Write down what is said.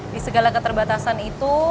di segala keterbatasan itu